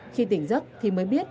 khi tỉnh giấc thì mới biết